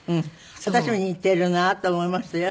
私も似ているなと思いましたよ。